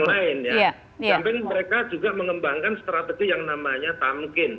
selain mereka juga mengembangkan strategi yang namanya tamkin